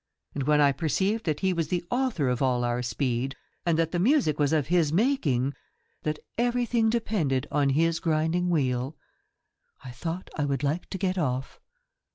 And when I perceived that he was the author of all our speed and that the music was of his making, that everything depended on his grinding wheel, I thought I would like to get off.